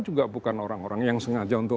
juga bukan orang orang yang sengaja untuk